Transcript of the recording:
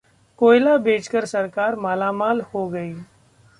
कोयला बेचकर सरकार मालामाल हो गई